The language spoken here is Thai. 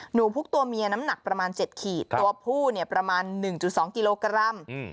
พุกตัวเมียน้ำหนักประมาณ๗ขีดตัวผู้ประมาณ๑๒กิโลกรัม